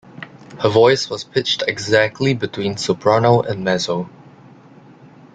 Her voice was pitched exactly between soprano and mezzo.